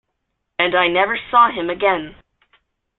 And I never saw him again.